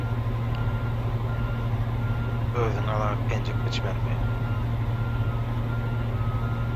Özüňe laýyk penjek biçmelimi?“